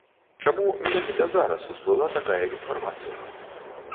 Чаму менавіта зараз усплыла такая інфармацыя?